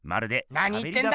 なに言ってんだ！